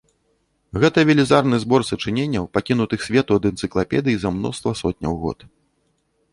Гэта велізарны збор сачыненняў, пакінутых свету ад энцыклапедый, за мноства сотняў год.